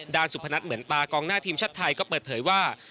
สุพนัทเหมือนตากองหน้าทีมชาติไทยก็เปิดเผยว่า